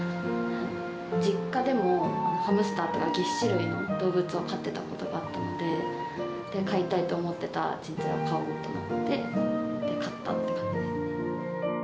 実家でもハムスターとか、げっ歯類の動物を飼ってたことがあったので、飼いたいと思ってたチンチラを飼おうと思って、飼ったって感じ。